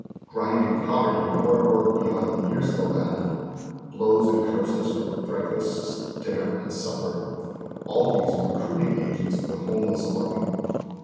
Gi'inding poverty and hard work beyond the years of the lad ; blows and curses for breakfast, din ner, and supper ; all these are recruiting agents for the homeless army.